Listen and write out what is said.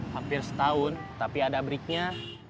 hampir setahun tapi ada break nya